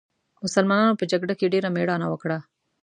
مسلمانانو په جګړه کې ډېره مېړانه وکړه.